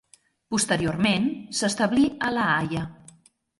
Posteriorment s'establí a La Haia.